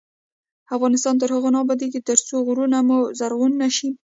افغانستان تر هغو نه ابادیږي، ترڅو غرونه مو زرغون نشي.